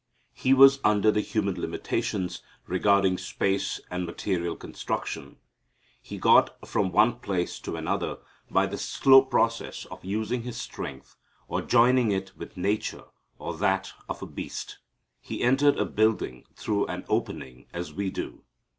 He was under the human limitations regarding space and material construction. He got from one place to another by the slow process of using His strength or joining it with nature or that of a beast. He entered a building through an opening as we do.